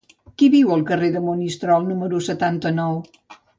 Qui viu al carrer de Monistrol número setanta-nou?